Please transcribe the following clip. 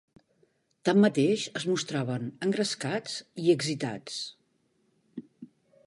Tanmateix es mostraven engrescats i excitats